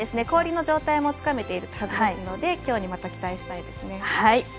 氷の状態もつかめていますので今日にまた期待したいですね。